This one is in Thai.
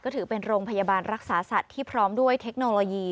ถือเป็นโรงพยาบาลรักษาสัตว์ที่พร้อมด้วยเทคโนโลยี